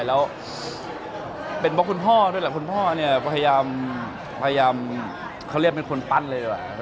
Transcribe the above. แล้วเป็นเพราะคุณพ่อด้วยแหละคุณพ่อเนี่ยพยายามเขาเรียกเป็นคนปั้นเลยดีกว่า